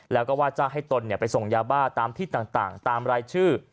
แล้วก็ว่าจ้างให้ตนไปส่งยาบ้าตามที่ต่างตามรายชื่อ